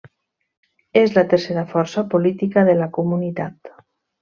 És la tercera força política de la comunitat.